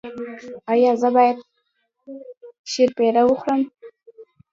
ایا زه باید شیرپیره وخورم؟